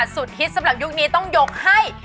สุดฮิตสำหรับยุคนี้ต้องยกให้